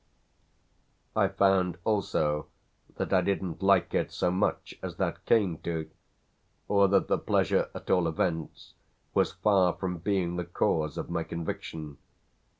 I found also that I didn't like it so much as that came to, or that the pleasure at all events was far from being the cause of my conviction.